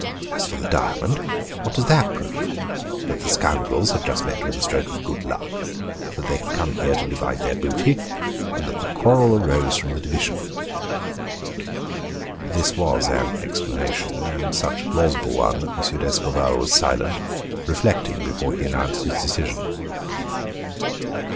As for the diamond what does that prove? That the scoundrels had just met with a stroke of good luck, that they had come here to divide their booty, and that the quarrel arose from the division." This was an explanation, and such a plausable one, that M. d'Escorval was silent, reflecting before he announced his decision.